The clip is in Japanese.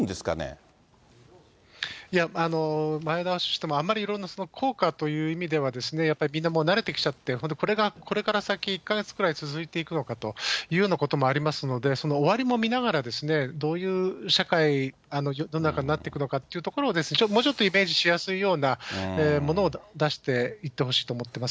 いや、前倒ししても、あんまりいろんな効果という意味では、やっぱりみんな、もう慣れてきちゃって、本当にこれから先１か月くらい続いていくのかというようなこともありますので、その終わりも見ながら、どういう社会、世の中になっていくのかっていうのをもうちょっとイメージしやすいようなものを出していってほしいと思ってます。